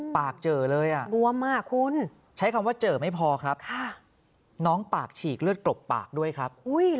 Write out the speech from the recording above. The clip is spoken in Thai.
เจอเลยอ่ะบวมอ่ะคุณใช้คำว่าเจอไม่พอครับน้องปากฉีกเลือดกรบปากด้วยครับ